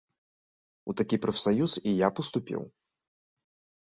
У такі прафсаюз і я б уступіў.